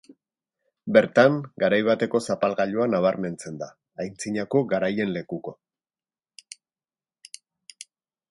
Bertan, garai bateko zapalgailua nabarmentzen da, antzinako garaien lekuko.